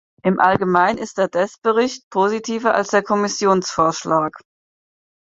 Im Allgemeinen ist der Deß-Bericht positiver als der Kommissionsvorschlag.